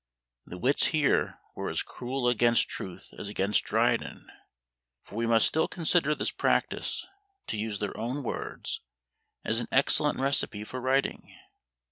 The wits here were as cruel against truth as against Dryden; for we must still consider this practice, to use their own words, as "an excellent recipe for writing."